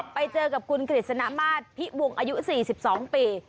ไปเจอกับคุณกฤษณมาศพิวงศ์อายุ๔๒ปี